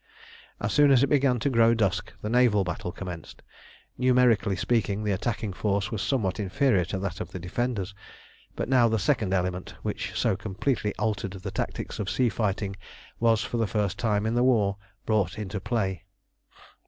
As soon as it began to grow dusk the naval battle commenced. Numerically speaking the attacking force was somewhat inferior to that of the defenders, but now the second element, which so completely altered the tactics of sea fighting, was for the first time in the war brought into play.